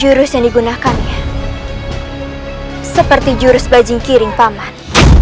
jurus yang digunakannya seperti jurus bajing kiring paman